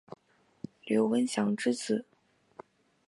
刘文翔之子。